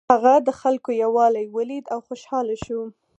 هغه د خلکو یووالی ولید او خوشحاله شو.